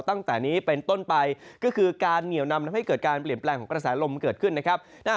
ตั้งแต่นี้เป็นต้นไปก็คือการเหนียวนำทำให้เกิดการเปลี่ยนแปลงของกระแสลมเกิดขึ้นนะครับ